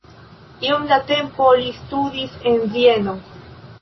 Iom de tempo li studis en Vieno.